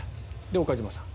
で、岡島さん。